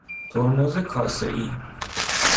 ترمز کاسهای